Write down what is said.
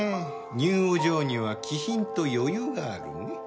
ニューお嬢には気品と余裕があるね。